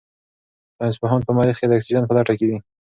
ساینس پوهان په مریخ کې د اکسیجن په لټه کې دي.